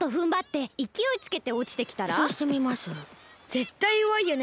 ぜったいよわいよね。